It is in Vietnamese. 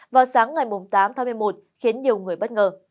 vào sáng ngày tám tháng một mươi một khiến nhiều người bất ngờ